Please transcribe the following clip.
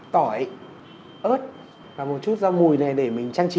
tỏi ớt và một chút ra mùi này để mình trang trí